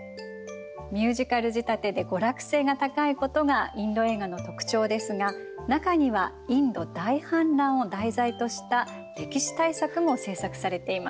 ミュージカル仕立てで娯楽性が高いことがインド映画の特徴ですが中にはインド大反乱を題材とした歴史大作も製作されています。